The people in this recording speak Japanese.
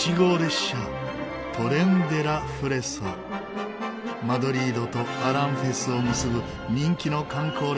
マドリードとアランフェスを結ぶ人気の観光列車です。